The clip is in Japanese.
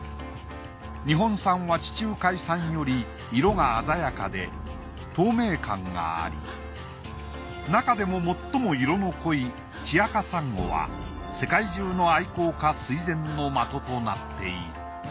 日本産は地中海産より色が鮮やかで透明感がありなかでも最も色の濃い血赤サンゴは世界中の愛好家垂涎の的となっている。